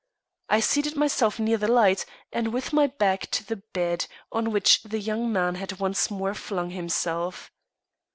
I seated myself near the light, and with my back to the bed, on which the young man had once more flung himself.